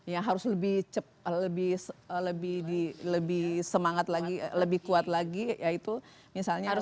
yang harus lebih lebih semangat lagi lebih kuat lagi yaitu misalnya harus